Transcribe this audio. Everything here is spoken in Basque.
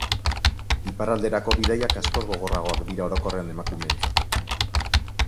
Iparralderako bidaiak askoz gogorragoak dira orokorrean emakumeentzat.